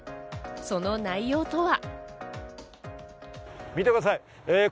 その内容とは。